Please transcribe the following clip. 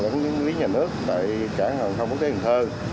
cũng như các cơ quan lãnh lý nhà nước tại cảng hàng không quốc tế bình thơ